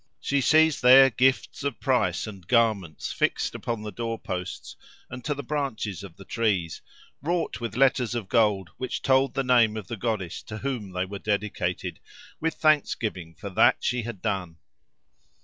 She sees there gifts of price, and garments fixed upon the door posts and to the branches of the trees, wrought with letters of gold which told the name of the goddess to whom they were dedicated, with thanksgiving for that she had done.